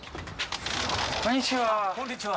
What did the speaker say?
こんにちは。